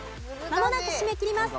まもなく締め切ります。